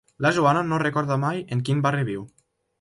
La Joana no recorda mai en quin barri viu.